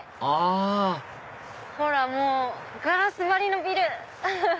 あほらもうガラス張りのビル！